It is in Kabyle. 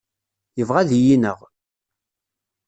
Yebɣa ad iyi-ineɣ.